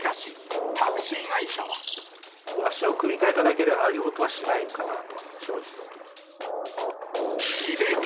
足を組み替えただけでああいう音はしないかなと、正直思います。